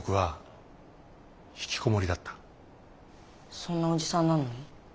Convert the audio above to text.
そんなおじさんなのに？